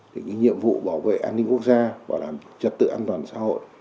thì cái nhiệm vụ bảo vệ an ninh quốc gia và làm trật tự an toàn xã hội